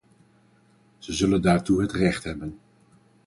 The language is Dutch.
Ze zullen daartoe het recht hebben.